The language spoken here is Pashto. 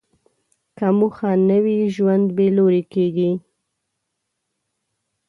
که موخه نه وي، ژوند بېلوري کېږي.